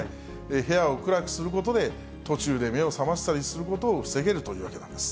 部屋を暗くすることで、途中で目を覚ましたりすることを防げるというわけなんです。